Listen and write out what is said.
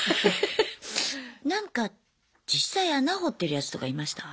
なんか実際穴掘ってるやつとかいました？